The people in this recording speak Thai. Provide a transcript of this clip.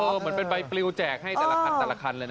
เหมือนเป็นใบปริวแจกให้แต่ละคันเลยนะ